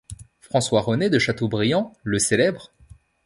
François-René de Chateaubriand le célèbre.